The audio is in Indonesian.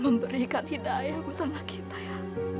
memberikan hidayah untuk anak kita ya